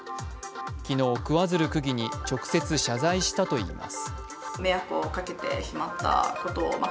昨日、桑水流区議に直接謝罪したといいます。